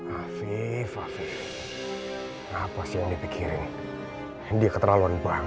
afif afif apa sih yang dipikirin dan dia keterlaluan banget